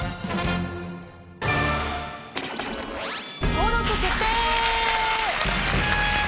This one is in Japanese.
登録決定！